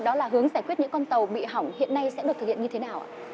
đó là hướng giải quyết những con tàu bị hỏng hiện nay sẽ được thực hiện như thế nào ạ